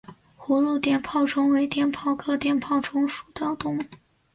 葫芦碘泡虫为碘泡科碘泡虫属的动物。